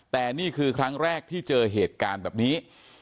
แต่นี่คือครั้งแรกที่เจอเหตุการณ์แบบนี้